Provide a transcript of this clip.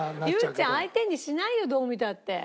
優ちゃん相手にしないよどう見たって。